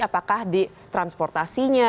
apakah di transportasinya